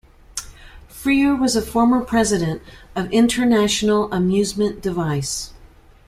Feerer was a former president of International Amusement Device.